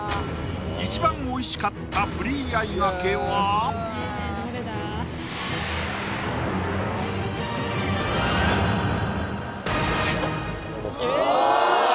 一番美味しかったフリーあいがけはえ！